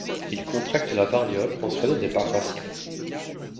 Il contracte la variole en soignant des paroissiens.